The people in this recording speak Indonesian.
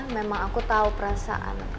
memang aku tahu perasaan